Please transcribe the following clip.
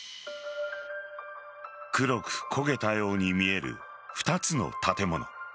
黒く焦げたように見える２つの建物。